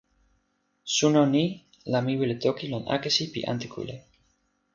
suno ni la mi wile toki lon akesi pi ante kule.